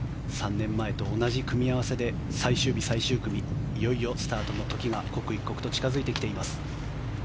３年前と同じ組み合わせで最終日、最終組いよいよスタートの時が刻一刻と近付いてきています。